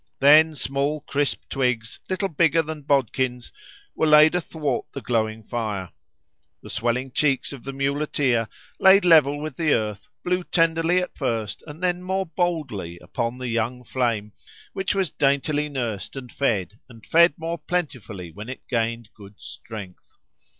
Then small crisp twigs, little bigger than bodkins, were laid athwart the glowing fire. The swelling cheeks of the muleteer, laid level with the earth, blew tenderly at first and then more boldly upon the young flame, which was daintily nursed and fed, and fed more plentifully when it gained good strength.